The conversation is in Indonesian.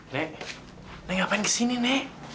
nek nek ngapain di sini nek